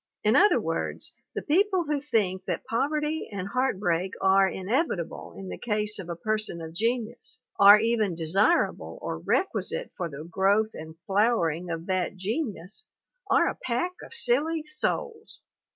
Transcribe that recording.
In other words, the people who think that pov erty and heartbreak are inevitable in the case of a person of genius, are even desirable or requisite for the growth and flowering of that genius, are a pack of silly souls.